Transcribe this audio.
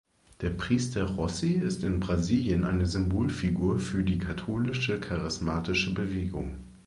Der Priester Rossi ist in Brasilien eine Symbolfigur für die katholische Charismatische Bewegung.